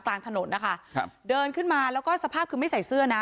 กลางถนนนะคะครับเดินขึ้นมาแล้วก็สภาพคือไม่ใส่เสื้อนะ